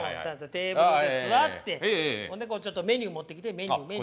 テーブルに座ってほんでメニュー持ってきてメニューメニュー。